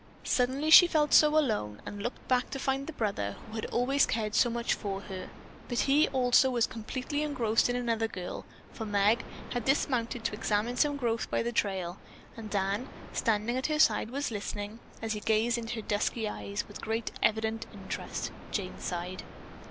Suddenly she felt so alone and looked back to find the brother who had always cared so much for her, but he also was completely engrossed in another girl, for Meg had dismounted to examine some growth by the trail, and Dan, standing at her side, was listening, as he gazed into her dusky eyes, with great evident interest. Jane sighed.